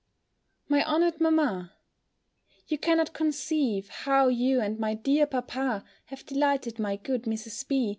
_ MY HONOURED MAMMA, You cannot conceive how you and my dear papa have delighted my good Mrs. B.